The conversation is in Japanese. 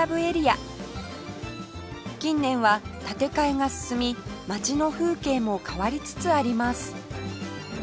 近年は建て替えが進み街の風景も変わりつつあります